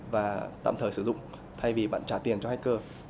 và tạm thời sử dụng thay vì bạn trả tiền cho hacker